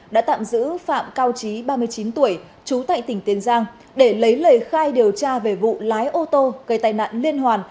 đã tạm giữ phạm cao trí ba mươi chín tuổi trú tại tỉnh tiền giang để lấy lời khai điều tra về vụ lái ô tô gây tai nạn liên hoàn